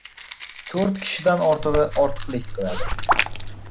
To‘rt kishidan ortig‘i ortiqlik qiladi.